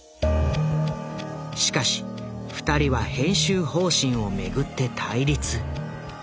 しかし二人は編集方針を巡って対立。